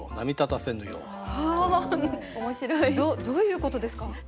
どういうことですか？